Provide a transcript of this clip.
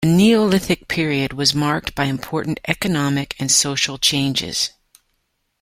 The Neolithic period was marked by important economic and social changes.